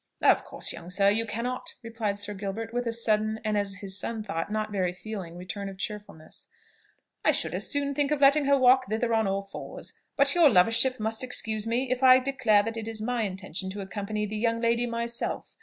"Of course, young sir, you cannot," replied Sir Gilbert, with a sudden, and, as his son thought, not very feeling return of cheerfulness, "I should as soon think of letting her walk thither on all fours: but your lovership must excuse me if I declare that it is my intention to accompany the young lady myself.